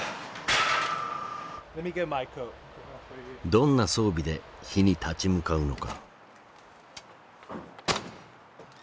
どんな装備で火に立ち向かうのか。